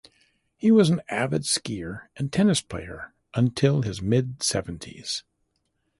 He was an avid skier and tennis player until his mid-seventies.